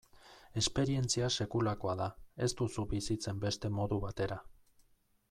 Esperientzia sekulakoa da, ez duzu bizitzen beste modu batera.